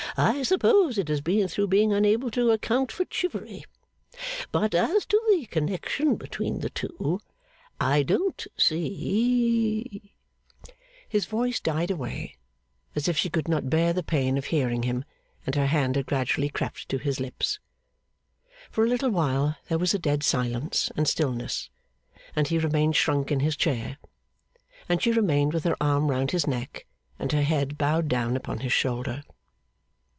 I suppose it has been through being unable to account for Chivery; but as to the connection between the two, I don't see ' His voice died away, as if she could not bear the pain of hearing him, and her hand had gradually crept to his lips. For a little while there was a dead silence and stillness; and he remained shrunk in his chair, and she remained with her arm round his neck and her head bowed down upon his shoulder.